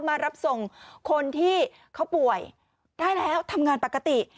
มารับส่งคนที่เขาป่วยได้แล้วทำงานปกติ